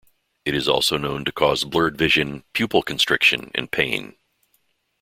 It is also known to cause blurred vision, pupil constriction and pain.